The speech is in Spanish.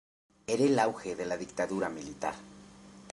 Era el auge de la dictadura militar.